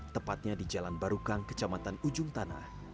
tepatnya di jalan barukang kecamatan ujung tanah